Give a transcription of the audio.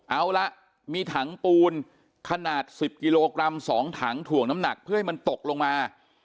เอาละมีถังปูนขนาด๑๐กิโลกรัม๒ถังถ่วงน้ำหนักเพื่อให้มันตกลงมา